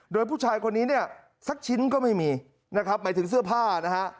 โดยผู้ชายคนนี้เนี่ยสักชิ้นก็ไม่มีนะครับหมายถึงเสื้อผ้านะฮะ